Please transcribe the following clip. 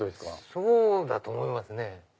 そうだと思いますね。